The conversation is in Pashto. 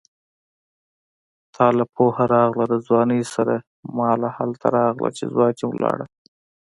تاله پوهه راغله د ځوانۍ سره ماله هله راغله چې ځواني لاړه